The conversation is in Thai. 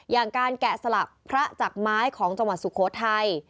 อย่างการแกะสลักพระจากไม้ของจังหวัดสุโขทัย